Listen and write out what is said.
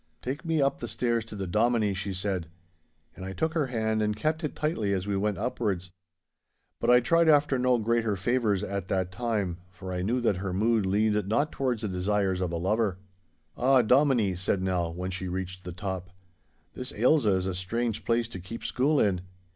'Take me up the stairs to the Dominie,' she said. And I took her hand and kept it tightly as we went upwards. But I tried after no greater favours at that time, for I knew that her mood leaned not towards the desires of a lover. 'Ah, Dominie,' said Nell, when she reached the top, 'this Ailsa is a strange place to keep school in.